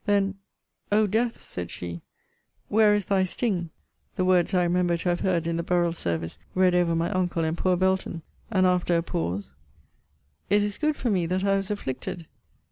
Then, O Death! said she, where is thy sting! [the words I remember to have heard in the burial service read over my uncle and poor Belton.] And after a pause It is good for me that I was afflicted!